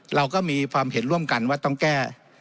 เราก็มีความเห็นร่วมกันว่าต้องแก้